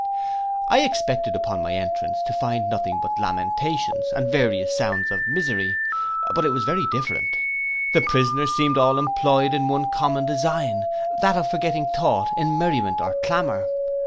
I expected upon my entrance to find nothing but lamentations, and various sounds of misery; but it was very different. The prisoners seemed all employed in one common design, that of forgetting thought in merriment or clamour.